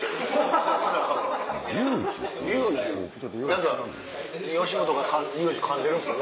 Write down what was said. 何か吉本がリュージュかんでるんですか？